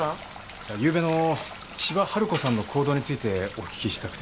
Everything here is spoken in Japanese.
いやゆうべの千葉ハル子さんの行動についてお訊きしたくて。